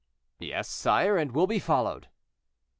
"Yes, sire, and will be followed."